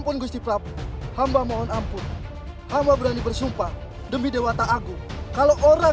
ini tidak bisa dibiarkan